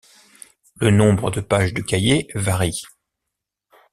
Le nombre de pages du cahier varie.